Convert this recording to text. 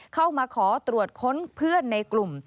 เข้ามาขอตรวจค้นเพื่อนในกลุ่ม